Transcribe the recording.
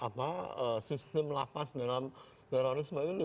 harus ada reformasi di dalam sistem lapas di dalam terorisme ini